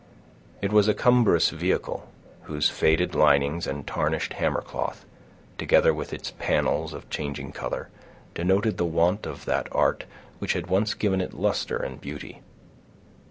It was a cumbrous vehicle, whose faded linings and tarnished hammer cloth, together with its panels of changing color, denoted the want of that art which had once given it luster and beauty.